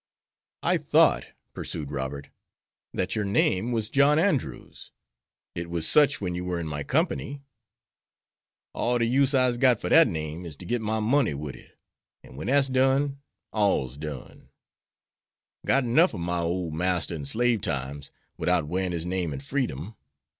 "I thought," pursued Robert, "that your name was John Andrews. It was such when you were in my company." "All de use I'se got fer dat name is ter git my money wid it; an' wen dat's done, all's done. Got 'nuff ob my ole Marster in slave times, widout wearin' his name in freedom.